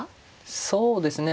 そうですね